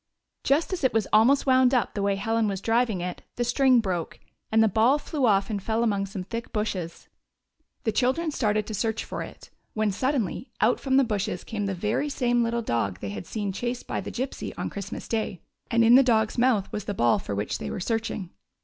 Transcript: Just as it was almost wound up the way Helen was driving it the string broke, and the ball flew off and fell among some thick bushes. The children started to search for it, when suddenly out from the bushes came the very same little dog they had seen chased by the Gypsy on Christmas day, and in the dog's mouth was the ball for which they were searching.